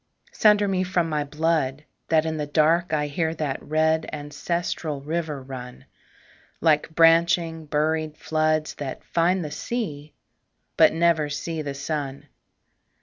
Sunder me from my blood that in the dark I hear that red ancestral river run, Like branching buried floods that find the sea But never see the sun.